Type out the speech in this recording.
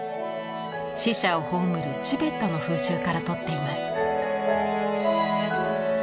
死者を葬るチベットの風習からとっています。